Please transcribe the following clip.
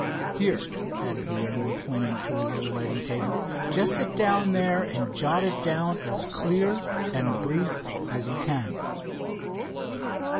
Here," added the airman pointing to a little writing table. "Just sit down there and jot it down as clear and brief as you can."